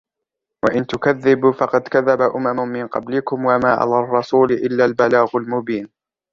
وإن تكذبوا فقد كذب أمم من قبلكم وما على الرسول إلا البلاغ المبين